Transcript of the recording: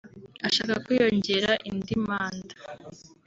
ashaka kwiyongeza indi manda